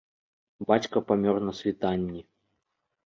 Бацька памёр на світанні.